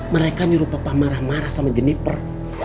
mereka nyuruh papa marah marah sama jenniper